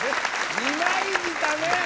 二枚舌ね！